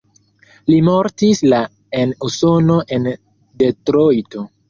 Li mortis la en Usono en Detrojto.